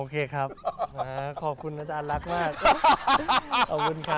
คอบคุณนุชารักมาก